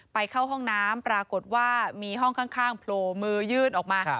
เข้าห้องน้ำปรากฏว่ามีห้องข้างโผล่มือยื่นออกมา